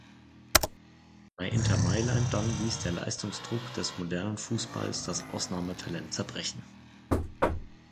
Bei Inter Mailand dann ließ der Leistungsdruck des modernen Fußballs das Ausnahmetalent zerbrechen.